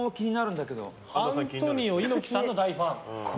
アントニオ猪木さんの大ファン。